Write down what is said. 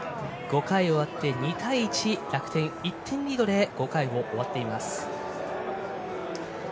５回終わって、２対１楽天１点リードで５回を終わっています。